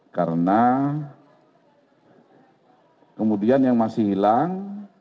karena kemudian yang masih hilang